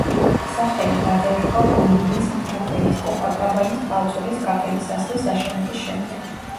სახელი გადაერქვა ბოლივიის მფარველის, კოპაკაბანის ქალწულის კაპელის ასლის აშენების შემდეგ.